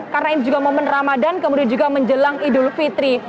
karena ini juga momen ramadhan kemudian juga menjelang idul fitri